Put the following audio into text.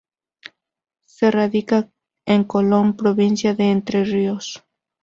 Se radica en Colón, Provincia de Entre Ríos.